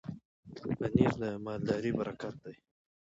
پنېر د مالدارۍ برکت دی.